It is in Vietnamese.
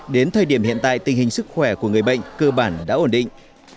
đến thời điểm hiện tại tình hình sức khỏe của người bệnh cơ bản đã ổn định